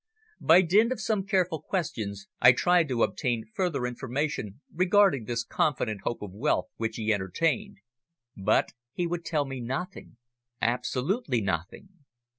By dint of some careful questions I tried to obtain further information regarding this confident hope of wealth which he entertained, but he would tell me nothing absolutely nothing.